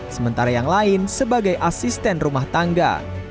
sementara yang lain sebagai asisten rumah tangga